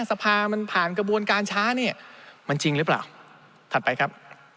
สภามันผ่านกระบวนการช้าเนี่ยมันจริงหรือเปล่าถัดไปครับ